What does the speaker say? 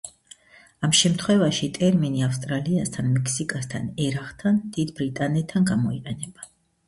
ამ შემთხვევაში ტერმინი ავსტრალიასთან, მექსიკასთან, ერაყთან, დიდ ბრიტანეთთან გამოიყენება.